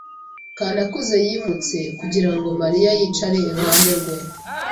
Kanakuze yimutse kugira ngo Mariya yicare iruhande rwe.